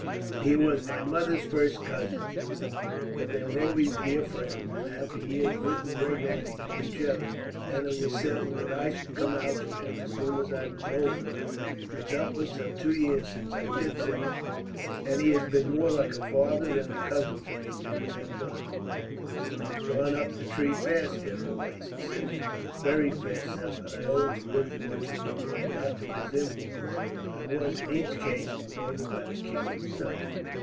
"He was my mother's first cousin, general; but they were always dear friends, and have for years written regularly to each other; and it was settled that I should come out to him, as soon as I was old enough. 'Tis upwards of two years since I did so, and he has been more like a father than a cousin to me, during that time." "You have gone up the tree fast," General Lacy said. "Very fast, sir; but I owe it to good fortune, and not to his influence. I was, in each case, promoted by the king himself."